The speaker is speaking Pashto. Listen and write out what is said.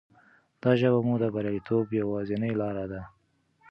دا ژبه مو د بریالیتوب یوازینۍ لاره ده.